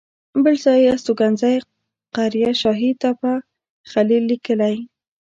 بل ځای یې استوګنځی قریه شاهي تپه خلیل لیکلی.